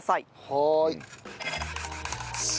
はい。